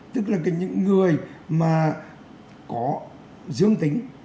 tức là những người mà có dương tính